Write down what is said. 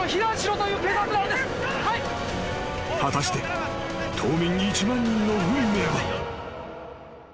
［果たして島民１万人の運命は］